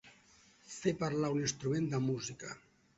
Fer parlar un instrument de música.